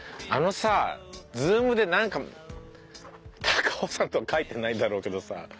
あのさズームでなんか「高尾山」とは書いてないだろうけどさ